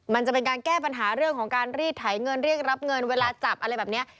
มันจะเป็นการแก้ปัญหาเรื่องของการรีดไถเงินเรียกรับเงินเวลาจับอะไรแบบนี้